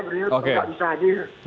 beliau juga disadir